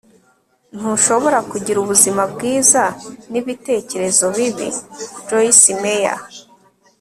ntushobora kugira ubuzima bwiza n'ibitekerezo bibi. - joyce meyer